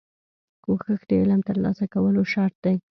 کوښښ د علم ترلاسه کولو شرط دی.